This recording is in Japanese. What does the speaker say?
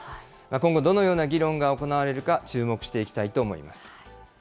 今後、どのような議論が行われるのか注目していきたいと思います。